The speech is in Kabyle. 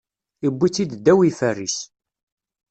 Iwwi-tt-id ddaw ifer-is.